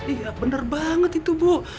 itu bagus banget itu bu